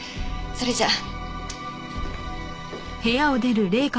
それじゃあ。